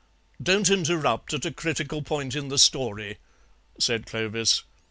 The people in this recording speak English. "Don't interrupt at a critical point in the story," said Clovis.